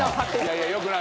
よくない。